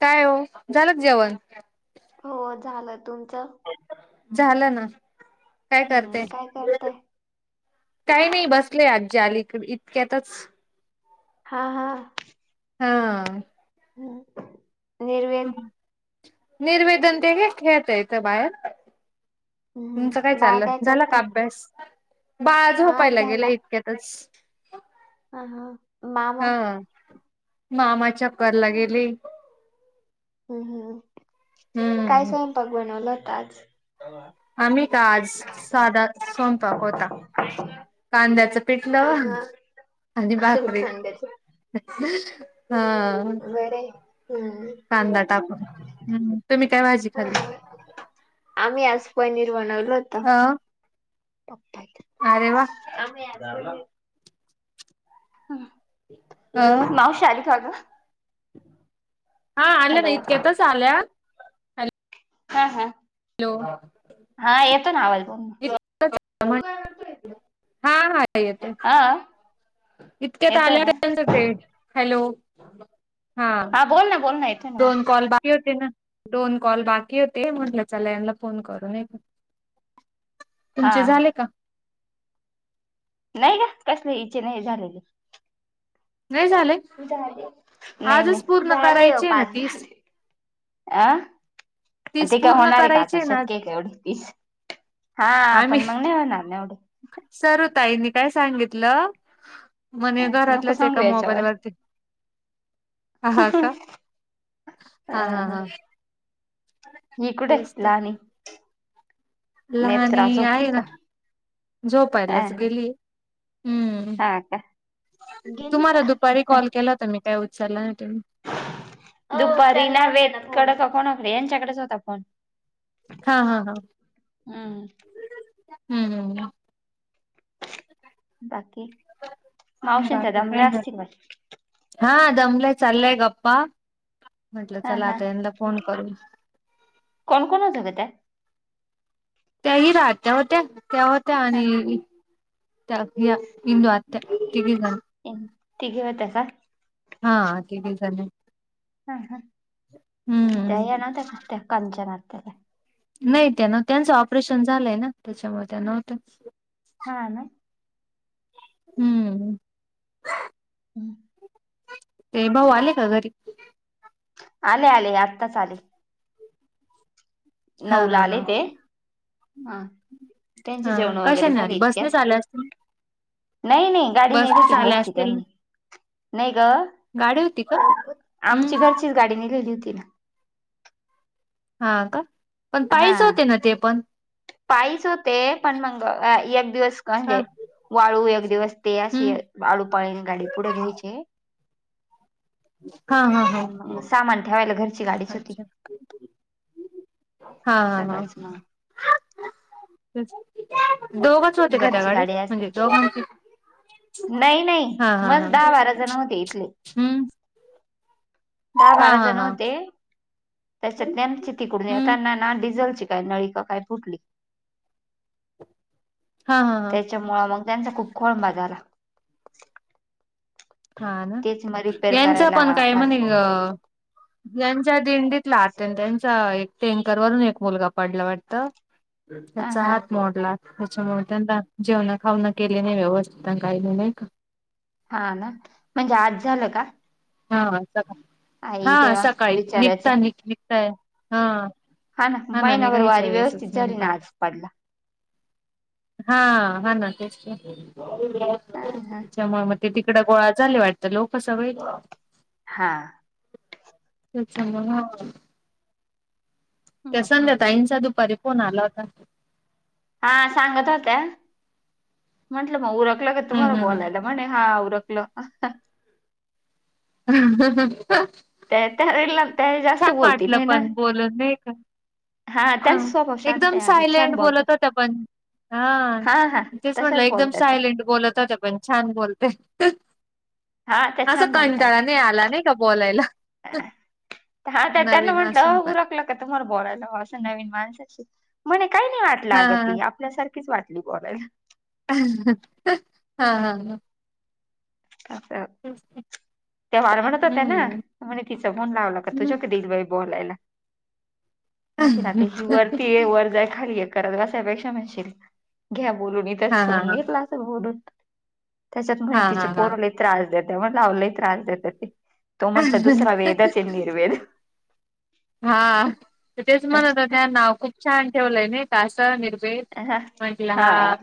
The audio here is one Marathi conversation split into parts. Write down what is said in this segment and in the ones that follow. काय हो झालं का जेवण? हो झालं तुमच? झालं ना काय हम्म करते? काय करताय काही नाही बसलेय आजी आली इकड इतक्यातच. हां हां. हां. हम्म. निर्वेद निर्वेदन ते हे खेळता इथं बाहेर. तुमचं काय हम्म बाळ चाललं झालं का करतय अभ्यास? बाळ हा झोपायला झाला गेला इतक्यातच. हा हा. मामा हा मामाच्या परला गेली. हम्म हम्म काय स्वयंपाक बनवला होता आज? आम्ही का आज साधाच स्वयंपाक होता. कांद्याचं हा पिठलं हा आणि भाकरी. कांद्याच हा. बरय. हम्म. कांदा टाकून,, हम्म, तुम्ही काय भाजी हा, खाल्ली? हा. आम्ही आज पनीर बनवल होत अं? [inaudible] अरे वा. [unintelligible] अ ह मावशी आली का ग? हा आल्यात हॅलो इतक्यातच आल्या हा हा. हॅलो! हा येतो ना आवाज बोल. हा हा आता येतोय. हा इतक्यात येतोय आल्या ना त्यांच ते, हॅलो हा. बोल ना बोल ना नाही येत दोन कॉल बाकी होते ना, दोन कॉल बाकी होते म्हटलं चला यांनला फोन करू. हा तुमचे झाले का? नाही ग,, कसले इचे नाही झालेले. नाही झाले झाले, नाही आजच नाही, पूर्ण झाले हो करायची आहे ना पाच तीस झाले अं? अन् तीस ते काय पूर्ण होणार आहे का करायची आता, ना आज शक्य आहे का एवढी तीस? हा, आम्ही आपण मंग नाही होणार ना एवढं. सरू ताईनी काय सांगितलं म्हणे ह नको घरातलंच सांगू एका मोबाईल याच्यावर वरती ह हा का,, हा हा हा. इकडे तेच तर लहानी. लहानी नेत्रा झोपली आहे ना का? अ झोपायलाच ह गेलीये,, हम्म. हा का? गेली तुम्हाला का? दुपारी कॉल केला होता मी, काय उचलला नाही तुम्ही. दुपारी नावेत, कड कोणाकडे यांच्याकडेच होता फोन. हा हा हा हम्म हम्म हम्म. बाकी मावशी न त्या बाकी काही दमल्या नाही,, असतील बाई हा दमलंय चाललंय गप्पा म्हटलं हा चला हा आता यंनला फोन करू. कोण कोण होतं ग त्यात? त्याही राहत्या होत्या, त्या होत्या हा आणि या इंदू आत्या, तिघीजणं. तिघी होत्या का? हा तिघीजणी. हा हा. हम्म. त्या येणार तर का, कंचन आत्यांला. नाही त्या नव्हत्या, त्यांचं ऑपरेशन झालंय ना, त्याच्यामुळं त्या नव्हत्या. हा ना? हम्म हम् [inaudible] ते भाऊ आले का घरी? आले आले आत्ताच आले. हा नऊला हा हा आले ते हा त्यांची हा जेवण वगैरे कशाने झाले आले इतक्यात बसनेच आले असतील? नाही नाही गाडी नेली बसनेच होती न आले घरची असतील त्यांनी. नाही ग गाडी होती का? हम्म आमची घरचीच गाडी निघाली होती ना? हा अ का पण हा पायीच होते ना ते पण पायीच होते पण मंग एक दिवस. काय ते हा म्हणजे वाळू एक दिवस ते अशी हम्म आळूपाळीने गाडी पुढे घ्यायची. हां हां हां- पण [inaudible] अच्छा! हां हां हां- सगळंच मग तेच की दोघच होते का त्या घरची गाडीत गाडी असते म्हणजे हा नाही नाही हा हा मग दहा बारा जण होते इथले हम्म- दहा हा बारा हा जण हा होते, त्याच्यात त्यांचे तिकडून हम्म येताना ना डिझेलचे- काय नळी का, काय फुटली- हां हां हां- त्याच्यामुळ मग त्यांचा खूप खोळंबा झाला. - हा ना तेच मग रिपेअर यांचा करायला पण काय पार म्हणे अ- त्यांचा दिंडीतला त्यांचा एक टँकरवरून एक मुलगा पडला वाटत. हा त्याचा हा हात मोडला. त्याच्यामुळे त्यांना जेवणा खाऊना केले नाही व्यवस्थित काय नाही. हा ना म्हणजे आज झालं का? हा सकाळी आई हा देवा सकाळी बिचाऱ्याचं निघता निघ निघतंय हा- हा ना महिनाभर निघायच्या वारी वेळेसच व्यवस्थित झाली नेमका ना आज हा हा ना तेचं की, हा ते तिकडं गोळा झाले वाटतं, लोकं सगळी. हां तेच न म्हणुन. त्या हम्म हम्म संध्या ताईंचा दुपारी फोन आला होता. हा सांगत होत्या- म्हटलं मग उरकला का तुम्हाला हम्म बोलायला, म्हणे हा उरकलं. हम्म- [unintelligible] [inaudible] छान बोलती वाटलं नाही ना पण बोलून नाही का- हा हां त्यांचा स्वभाव शांत एकदम आहे अगं सायलेंट छान बोलतात बोलत होत्या पण- हा हा हा तेच म्हटलं तशाच एकदम बोलतात त्या सायलेंट बोलत होत्या. पण छान बोलते हा त्या असं छान बोलतात कंटाळा अगं. नाही आला नाही का बोलायला. हा त्यांना नवीन म्हटलं असून पण उरकलं- त्यांच्यासोबत बोलायला असं नवीन माणसाशी, मले काही नाही वाटलं हा अगं ती आपल्यासारखी- तिचं वाटली बोलायला. हा हा हा- अ त्या मार म्हणत होत्या ना हम्म म्हणे तिचं मन लावला का तुझ्या कडे ईल बाई बोलायला हा म्हणती ना त्यांचा वरती- हे वर जा खाली ये करत बसायपेक्षा म्हणशील घ्या बोलून हा इथच म्हणून घेतला [unintelligible] त्याच्यात हा म्हणे हा हा तिचे पोरं लई त्रास देताय म्हटलं अहो लई त्रास देत्याती तो हा म्हंटलं दुसरा वेदाचे निर्वेद हा तेच म्हणत होत्या खूप छान ठेवलंय नाही का असं नी वेद हा म्हटलं हा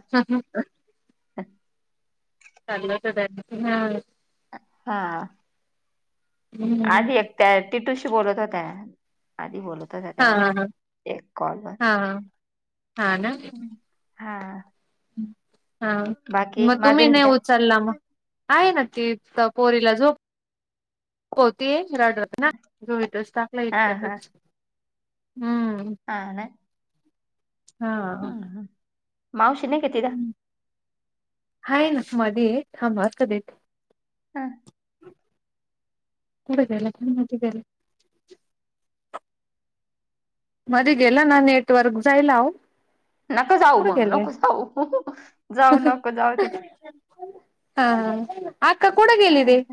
चाललं होतं त्या दिवशी हा हा आज एकट्या तिटूशी बोलत होत्या आधी बोलत होता हा तेव्हा हा एक कॉलवर हा हा हा ना हा हा बाकी म तुम्ही माधुरीन नाही उच काय उच्चला म आहे ना ती तर पोरीला झोप होती रडरत- ना ग इथचं तापलाय हा इतक्यातच हू काय नाई हा मावशी नाई का तिला् हाय ना मध्येये थांब आता देते हा [inaudible] कुडं गेला कुणी नव्हता गेला मधे गेलं ना नेटवर्क जायला ओ नको जाऊ मं नको जाऊ जाऊ नको जाऊ दे हा आक्का कुठ गेली रे हा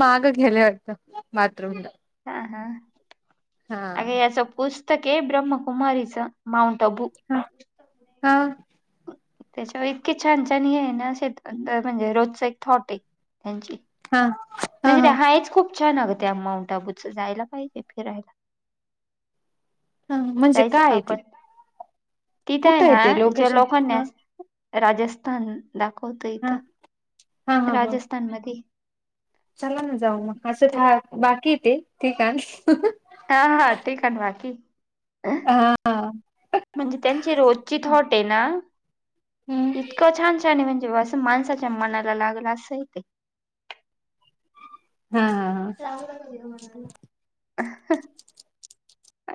मागं गेली वाटतं बाथरूमला हा हा हा अग याचं पुस्त् तके ब्रह्मकुमारीचं मौंट अबू हा हा त्याच्याव इतकी छान छान हे हायन शेत म्हणजे रोजच एक थॉट हाय यांची हा हा म्हणजे त्या हा हायच खूप छान अगं त्या माऊंटाबूच जायला पायजे फिरायला हं म्हंजे काय ये ते तिथंय कुठं आहे ना ते जे लोकेशन लोकां न हा राजस्थान दाखवत हा येत हा हा हा राजस्थान मधे चला ना जाऊ म असं था बाकी हे तेे ठिकाण हा हा ठीकाण बाकी हा हा म्हणजे त्यांची रोजची थॉट ये ना इतकं छान छानये म्हणजे बा असं माणसाच्या मनाला लागलं असंय ते हा हा हां लागलं का तुझ्या मनाला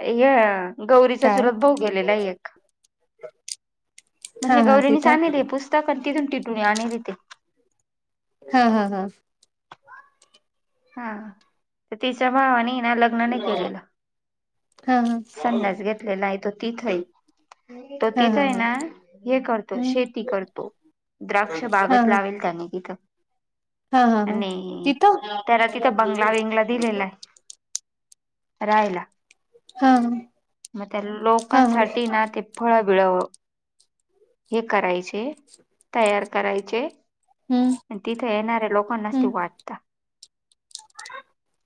हे गौरीचा काय चुलत भाऊ गेलेला एक हा म्हणजे हा गौरीनीच तिथं आणिले हे पुस्त्- तक् अन् तीथुन टिटुनी आणेले ते हा हा हा. हा त तिच्या भावानीये ना लग्न नाही केलेलं. हा हा संन्यास घेतलेलाय तो तिथय. तो हा हा तिथंय हा ना हे करतो हम्म शेती करतो. द्राक्षं हा बागच हा लावेली त्याने तिथं. हा हा हा, आणि तिथ त्याला तिथं बंगला- बिंगला दिलेलाय राहायला. हा म त्याला हा लोकांसाठी ना ते फळंबिळं हे करायचे तयार करायचे हम्म अन् तीथं येणार्या लोकांनाच ते हम्म वाटता.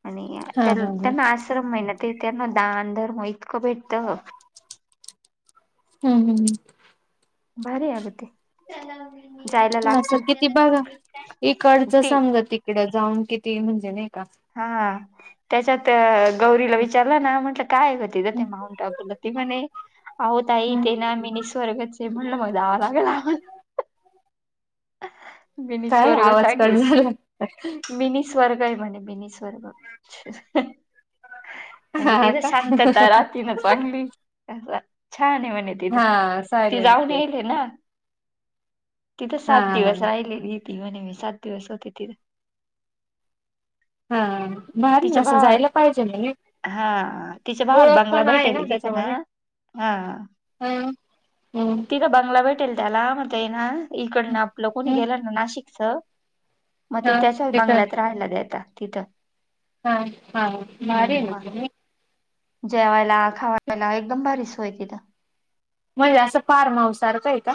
आणि हा त्याल् हा ह त्यांना आश्रम आहे ना ते त्यांना दान धर्म इतकं भेटत हम्म हम्म भारी आहे अगं ते जायला असं लागतय किती बघा इकडचं ते समजा तिकडं जाऊन किती म्हणजे नाही का हां त्याच्यात गौरीला विचारलं ना म्हंटलं काय गं तिथं ते हम्म माउंट अबूला ती म्हणे आहो ताई ते ना मीनी स्वर्गच आहे म्हणलं म जावं लागलं आम्हाला. मिनी काय स्वर्ग आवाज कट सारख झाला मिनी स्वर्ग आहे म्हणे मिनी स्वर्ग हा म्हणजे तिथ का शांतता राहती ना चांगली. छान आहे म्हणे तिथं हा ती सायलेंट जाऊन प्लेस येईल ना. तिथं हा सात हा दिवस राहिलेली ती म्हणे मी सात दिवस होते तिथ. हां. भारी ना तिच्या अस भावा जायला पाहिजे म्हणे हा तिच्या ओळख पण आहे ना त्याच्यामध्ये हां [unintelligible] [unintelligible] बंगला भेटेल त्याला मगं ते ना इकडन आपलं कोणी हम्म गेलं ना नाशिकच मग ते हा त्याच्या तिथं बंगल्यात राहायला देतात तिथ. हा हा, गाडी आहे ना तुझी? जेवायला खावायला एकदम भारी सोय हाय तिथ. म्हणजे असं फार्महाऊस सारखं आहे का?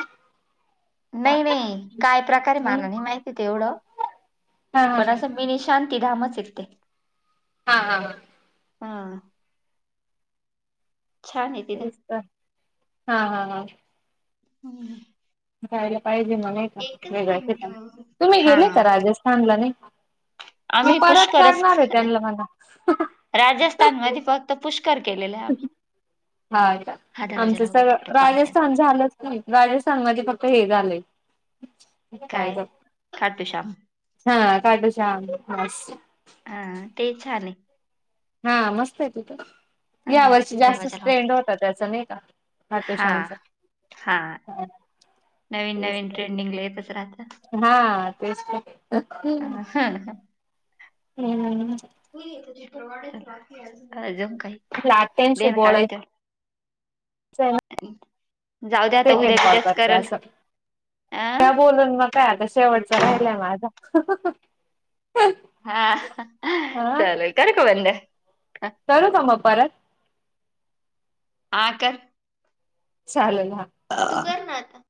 नाही- नाही काय प्रकार आहे मला हम्म. नाही माहिती तेवढं हा हा पण असं मिनी शांतीधामच आहेत ते. हा हा हा. हा. छान आहे तिथं. तेच तर हा हा हा. हम्म. जायला पाहिजे मला एका एकच वेगळ्या ठिकाणाला मिनिट. तुम्ही हा गेले का राजस्थानला नाही का मी आम्ही परत पुष्करच करणार आहे त्यांना मला तर पुष्कर केलेला आहे. आम्ही. हा हा दरवाजा आमचं लाव गं सगळ तिकडं पाहिजे राजस्थान झालच राजस्थान म्हणजे फक्त हे झालय काय खाटूश्याम हा खाठूश्याम हा ते छान आहे. हा मस्त आहे तिथ या हा वर्षी दरवाजा जास्तच लावून ट्रेंड होता त्याच नाही का. हा खाठुश्याम चा. हा हां. नवीन तेच नवीन ट्रेंडिंगला येतच राहत. ना, हा तेच [inaudible] हम्म. [unintelligible] अजून काही. दे लाट्यांशी ना बोलाय काढून [unintelligible] उद्या सेकंड कॉल बिद्याच करते करल असं अ त्या बोलून मग काय आता शेवटचा राहिलय माझा. हां हा चालेल करू का बंद? करू का मग परत? हा कर. चालेल ना. [unintelligible]